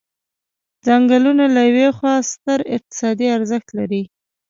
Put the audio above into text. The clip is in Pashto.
څنګلونه له یوې خوا ستر اقتصادي ارزښت لري.